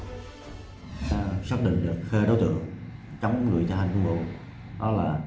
hạt kiểm lâm bắc trà my đã xác định được khơi đấu tượng chống người theo hành khu vụ đó là